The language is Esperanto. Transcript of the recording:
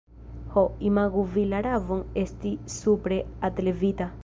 Ho, imagu vi la ravon esti supren altlevita!